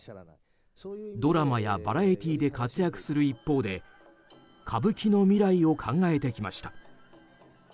ドラマやバラエティーで活躍する一方で歌舞伎の未来を考えてきました。